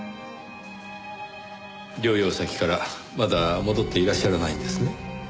療養先からまだ戻っていらっしゃらないんですね。